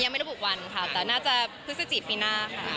ยังไม่ได้บุกวันค่ะแต่น่าจะพฤศจีรปีหน้าค่ะ